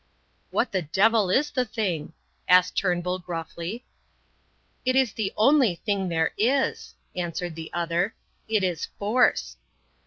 "What the devil is the thing?" asked Turnbull gruffly. "It is the only Thing there is," answered the other. "It is Force."